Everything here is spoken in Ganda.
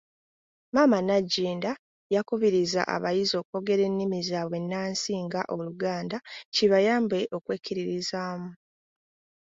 Maama Nagginda yakubiriza abayizi okwogera ennimi zaabwe ennansi nga; Oluganda kibayambe okwekkiririzaamu.